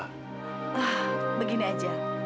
ah begini aja